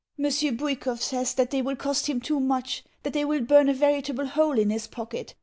Monsieur Bwikov says that they will cost him too much, that they will burn a veritable hole in his pocket.